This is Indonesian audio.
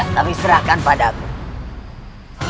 tapi serahkan padaku